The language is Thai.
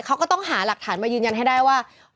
เขาก็ต้องหาหลักฐานมายืนยันให้ได้ว่า